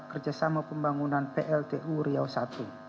kerjasama pembangunan pltu riau i